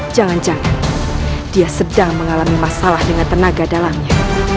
jangan jangan dia sedang mengalami masalah dengan tenaga dalamnya